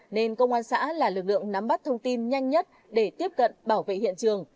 nên công an xã là lực lượng nắm bắt thông tin nhanh nhất để tiếp cận bảo vệ hiện trường